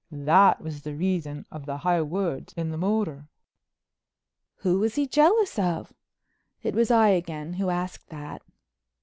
That was the reason of the high words in the motor." "Who was he jealous of?" It was I again who asked that.